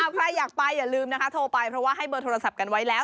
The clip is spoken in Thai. ใครอยากไปอย่าลืมนะคะโทรไปเพราะว่าให้เบอร์โทรศัพท์กันไว้แล้ว